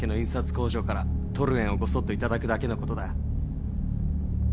工場からトルエンをごそっと頂くだけのことだ。